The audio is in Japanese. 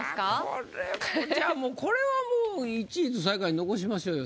これじゃあもうこれはもう１位と最下位残しましょうよ。